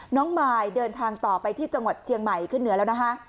มายเดินทางต่อไปที่จังหวัดเชียงใหม่ขึ้นเหนือแล้วนะคะ